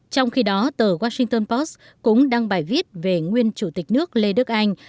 trong khi đó tờ washington post cũng đăng bài viết về nguyên chủ tịch nước lê đức anh